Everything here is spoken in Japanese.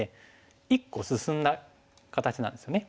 １個進んだ形なんですよね。